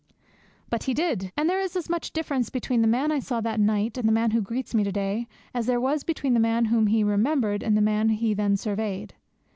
But he did; and there is as much difference between the man that I saw that night and the man who greets me to day as there was between the man whom he remembered and the man he then surveyed.